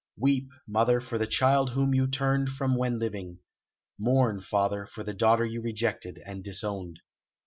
Weep, mother, for the child whom you turned from when living; mourn, father, for the daughter you rejected and disowned.